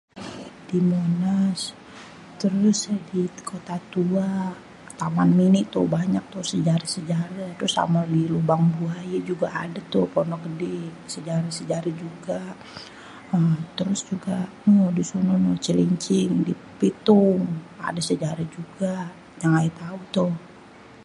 Di Monas terus di Kota Tua.. Taman Mini tuh banyak sejareh-sejareh.. trus sama di lubang buaye ade juga tuh, di Pondok Gede sejarah-sejarah juga.. terus juga noh di sono nohh Celincing di Pitung ada sejarah juga yang ayé tau tu.